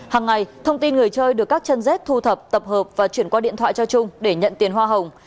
hàng ngày thông tin người chơi được các chân dết thu thập tập hợp và chuyển qua điện thoại cho trung để nhận tiền hoa hồng